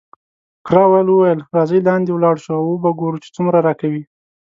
کراول وویل، راځئ لاندې ولاړ شو او وو به ګورو چې څومره راکوي.